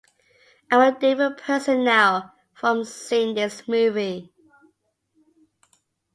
I'm a different person now from seeing this movie.